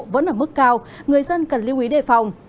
vẫn ở mức cao người dân cần lưu ý đề phòng